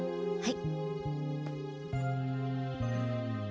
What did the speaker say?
はい！